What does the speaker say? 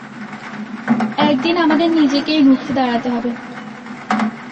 একদিন আমার নিজেকেই রুখে দাঁড়াতে হবে।